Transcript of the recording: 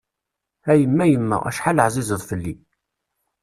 A yemma yemma, acḥal ɛzizeḍ fell-i.